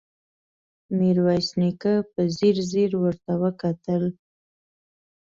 ميرويس نيکه په ځير ځير ورته وکتل.